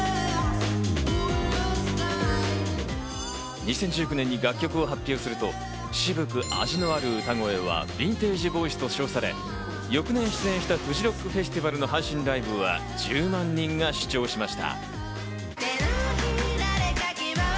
２０１９年に楽曲を発表すると、渋く味のある歌声はヴィンテージボイスと称され、翌年出演したＦＵＪＩＲＯＣＫＦＥＳＴＩＶＡＬの配信ライブでは１０万人が視聴しました。